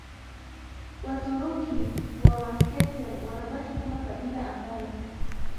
Waturuki wa Meskhetian wanabaki kama kabila ambalo